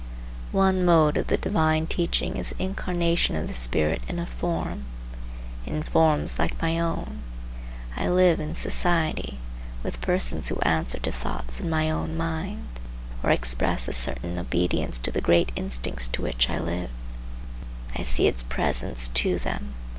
One mode of the divine teaching is the incarnation of the spirit in a form,—in forms, like my own. I live in society, with persons who answer to thoughts in my own mind, or express a certain obedience to the great instincts to which I live. I see its presence to them.